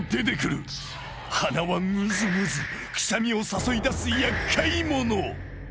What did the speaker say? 鼻はムズムズくしゃみを誘い出すやっかい者。